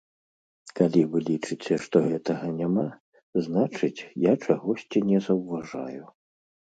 Калі вы лічыце, што гэтага няма, значыць, я чагосьці не заўважаю.